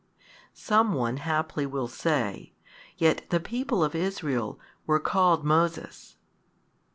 Some one haply will say, Yet the people of Israel were called Moses'.